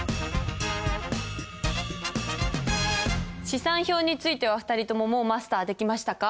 試算表については２人とももうマスターできましたか？